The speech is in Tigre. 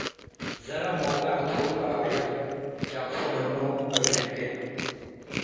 ዘረ ሞጋዕቱ አብዐጀብ - ጀቅፎ ምኑ እብ ሕንክል